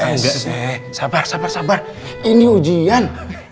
eh sabar sabar sabar ini ujian